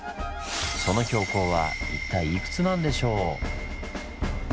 その標高は一体いくつなんでしょう？